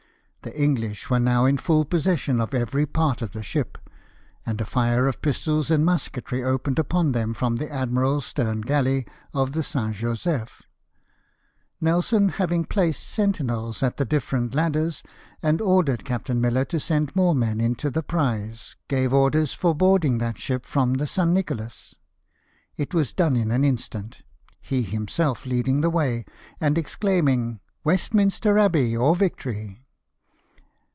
The English were now in full possession of every part of the ship ; and a fire of pistols and musketry opened upon them from the admiral's stern gallery of the San Josef. Nelson having placed sentinels at the different ladders, and ordered Captain Miller to send more men into the prize, gave orders for boarding that ship from the 108 LIFE OF NELSON, San Nicolas, It was done in an instant, he him self leading the way, and exclaiming — "Westminster Abbey or victory